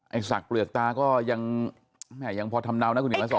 ไอ้สักเปลือกตาก็ยังแม่ยังพอทำนาวนะคุณหญิงมาสอน